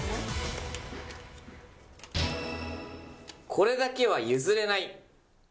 これだけは譲れない！